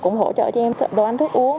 cũng hỗ trợ cho em đồ ăn thuốc uống